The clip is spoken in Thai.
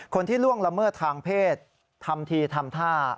ล่วงละเมิดทางเพศทำทีทำท่า